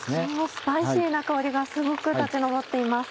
スパイシーな香りがすごく立ち上っています。